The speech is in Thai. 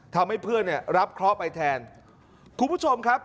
ทำให้เพื่อนเนี่ยรับเคราะห์ไปแทนคุณผู้ชมครับ